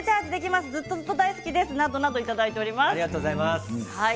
ずっとずっと大好きですといただいています。